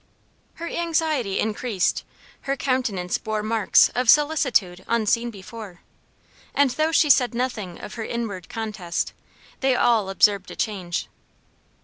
Her anxiety increased; her countenance bore marks of solicitude unseen before; and though she said nothing of her inward contest, they all observed a change.